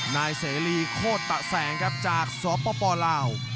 นายเสรีโคตะแสงครับจากสปลาว